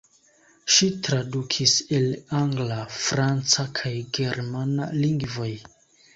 Ŝi tradukis el angla, franca kaj germana lingvoj.